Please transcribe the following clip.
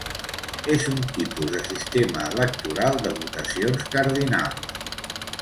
És un tipus de sistema electoral de votacions cardinals.